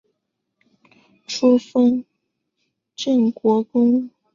初封镇国公。